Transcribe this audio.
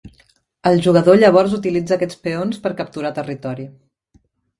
El jugador llavors utilitza aquests peons per capturar territori.